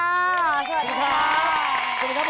สวัสดีครับผมสวัสดีครับผม